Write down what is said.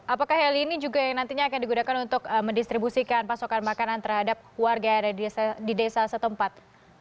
apakah heli ini juga yang nantinya akan digunakan untuk mendistribusikan pasokan makanan terhadap warga yang ada di desa setempat